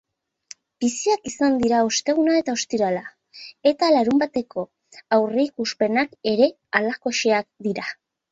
Biziak izan dira osteguna eta ostirala, eta larunbateko aurreikuspenak ere halakoxeak dira.